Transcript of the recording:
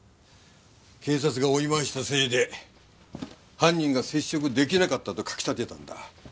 警察が追い回したせいで犯人が接触出来なかったと書き立てたんだ。